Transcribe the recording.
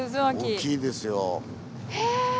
大きいですよ。